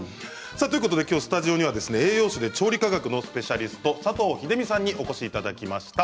スタジオには栄養士で調理科学のスペシャリスト佐藤秀美さんにお越しいただきました。